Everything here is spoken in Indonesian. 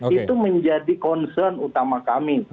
itu menjadi concern utama kami